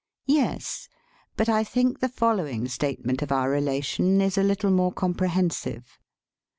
Yes, but I think the following statement of our relation is a little more comprehensive.